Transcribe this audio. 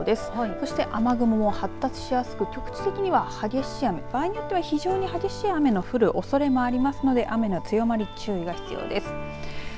そして雨雲も発達しやすく局地的には激しい雨、場合によっては非常に激しい雨の降るおそれもありますので、雨の強まりに注意が必要です。